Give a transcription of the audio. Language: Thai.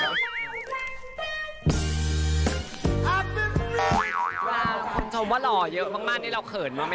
ถ้าคนชมว่าเหล่ามากเงินแล้วค่ะ